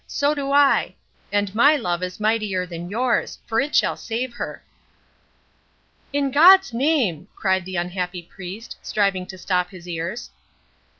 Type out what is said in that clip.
So do I! and my love is mightier than yours, for it shall save her!" "In God's name " cried the unhappy priest, striving to stop his ears.